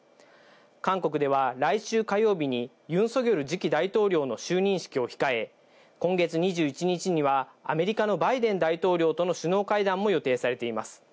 韓国では、来週火曜日にユン・ソギョル次期大統領の就任式を控え、今月２１日にはアメリカのバイデン大統領との首脳会談も予定されています。